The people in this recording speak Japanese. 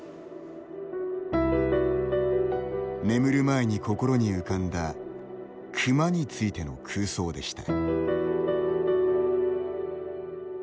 眠る前に心に浮かんだ「熊」についての空想でした。